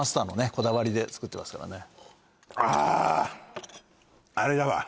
こだわりで作ってますからね